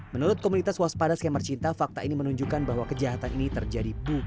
menurut komunitas waspada scammer cinta fakta ini menunjukkan bahwa kejahatan ini terjadi bukan karena kebodohan korban